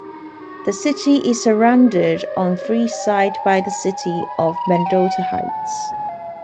The city is surrounded on three sides by the city of Mendota Heights.